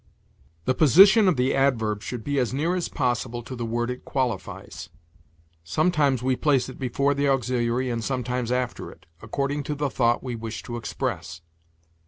'" The position of the adverb should be as near as possible to the word it qualifies. Sometimes we place it before the auxiliary and sometimes after it, according to the thought we wish to express.